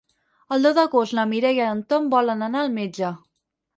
El deu d'agost na Mireia i en Tom volen anar al metge.